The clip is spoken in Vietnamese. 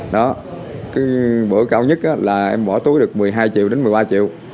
đó cái bữa cao nhất là em bỏ túi được một mươi hai triệu đến một mươi ba triệu